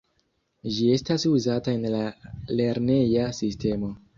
Ĝi estas uzata en la lerneja sistemo.